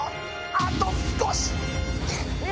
あと少し！